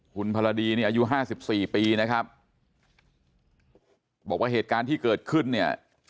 คุณพรดีนี่อายุห้าสิบสี่ปีนะครับบอกว่าเหตุการณ์ที่เกิดขึ้นเนี่ย